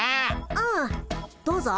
うんどうぞ。